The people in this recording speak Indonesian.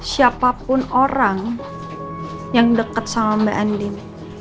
siapapun orang yang dekat sama mbak andin